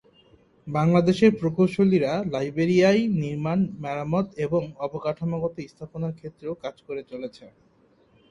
বাংলাদেশের প্রকৌশলীরা লাইবেরিয়ায় নির্মাণ, মেরামত এবং অবকাঠামোগত স্থাপনার ক্ষেত্রেও কাজ করে চলেছে।